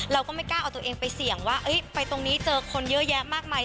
เราก็ไม่กล้าเอาตัวเองไปเสี่ยงว่าไปตรงนี้เจอคนเยอะแยะมากมาย